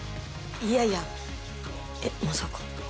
いやいやえっまさか。